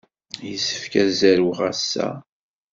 Yessefk ad zerweɣ ass-a.